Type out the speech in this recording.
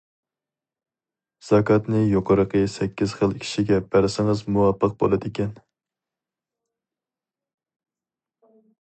زاكاتنى يۇقىرىقى سەككىز خىل كىشىگە بەرسىڭىز مۇۋاپىق بولىدىكەن.